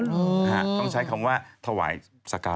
ต้องใช้คำว่าถวายสการ